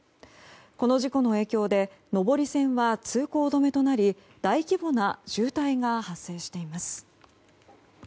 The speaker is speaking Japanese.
この事故の影響で上り線は通行止めとなり大規模な渋滞が発生しています。